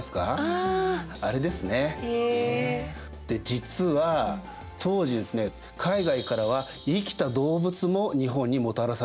実は当時ですね海外からは生きた動物も日本にもたらされていました。